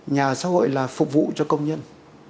nhà xã hội là phục vụ cho công nhân